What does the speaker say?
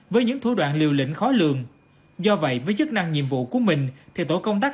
với những thủ đoạn liều lĩnh khó lường do vậy với chức năng nhiệm vụ của mình thì tổ công tác